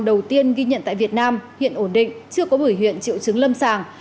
đầu tiên ghi nhận tại việt nam hiện ổn định chưa có bởi huyện triệu chứng lâm sàng